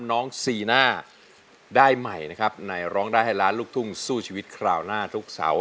น้องซีน่าได้ใหม่นะครับในร้องได้ให้ล้านลูกทุ่งสู้ชีวิตคราวหน้าทุกเสาร์